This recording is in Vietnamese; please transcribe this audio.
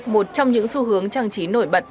một trong những xu hướng trang trí nổi bật